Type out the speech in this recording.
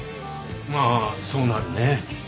まあそうなるね。